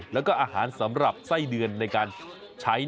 แล้วก็อาหารสำหรับไส้เดือนในการใช้